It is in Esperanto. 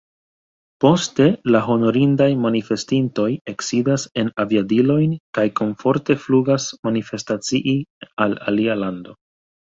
Poste la honorindaj manifestintoj eksidas en aviadilojn kaj komforte flugas manifestacii al alia lando.